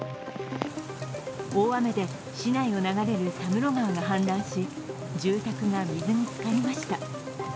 大雨で市内を流れる佐室川が氾濫し住宅が水につかりました。